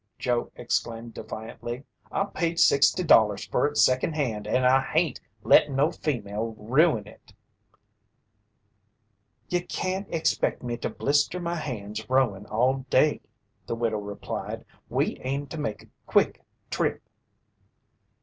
Joe exclaimed defiantly. "I paid sixty dollars fer it secondhand and I hain't lettin' no female ruin it." "Ye can't expect me to blister my hands rowin' all day," the widow replied. "We aim to make a quick trip."